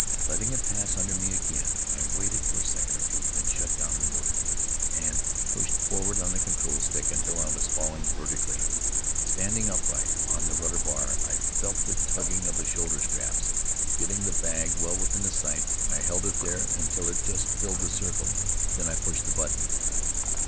Letting it pass under me again, I waited for a second or two, then shut down the motor, and pushed forward on the control stick until I was falling vertically. Standing upright on the rudder bar, I felt the tugging of the shoulder straps. Getting the bag well within the sights, I held it there until it just filled the circle. Then I pushed the button.